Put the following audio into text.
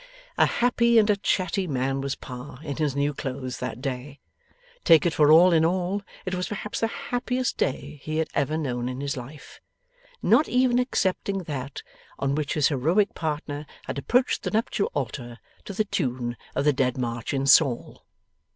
A happy and a chatty man was Pa in his new clothes that day. Take it for all in all, it was perhaps the happiest day he had ever known in his life; not even excepting that on which his heroic partner had approached the nuptial altar to the tune of the Dead March in Saul.